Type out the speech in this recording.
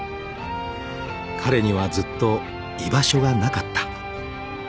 ［彼にはずっと居場所がなかった］